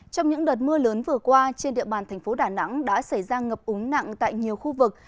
trong những đợt mưa lớn vừa qua trên địa bàn thành phố đà nẵng đã xảy ra ngập úng nặng tại nhiều khu vực